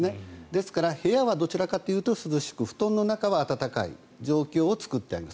ですから部屋はどちらかというと涼しく布団の中は温かい状況を作っておく。